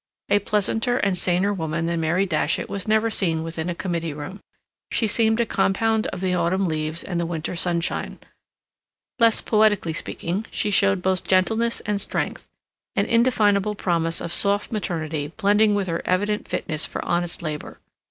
A pleasanter and saner woman than Mary Datchet was never seen within a committee room. She seemed a compound of the autumn leaves and the winter sunshine; less poetically speaking, she showed both gentleness and strength, an indefinable promise of soft maternity blending with her evident fitness for honest labor.